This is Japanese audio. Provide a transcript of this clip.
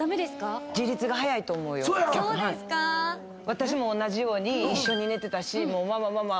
私も同じように一緒に寝てたし「ママママ」